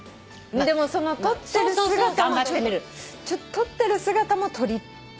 でもその撮ってる姿も撮ってもらいたい。